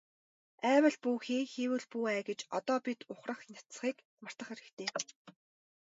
АЙвал бүү хий, хийвэл бүү ай гэж одоо бид ухрах няцахыг мартах хэрэгтэй.